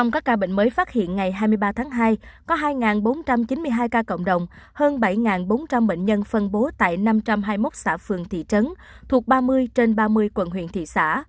có hai bốn trăm chín mươi hai ca cộng đồng hơn bảy bốn trăm linh bệnh nhân phân bố tại năm trăm hai mươi một xã phường thị trấn thuộc ba mươi trên ba mươi quận huyện thị xã